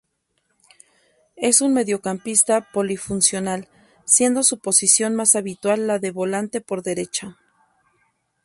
Es un mediocampista polifuncional, siendo su posición más habitual la de volante por derecha.